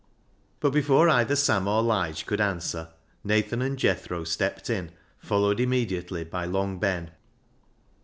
But before either Sam or Lige could answer, Nathan and Jethro stepped in, followed imme diately by Long Ben.